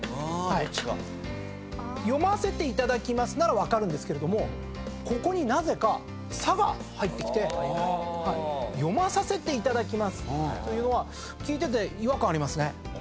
「読ませていただきます」なら分かるんですけれどもここになぜか「さ」が入ってきて「読まさせていただきます」というのは聞いてて違和感ありますね。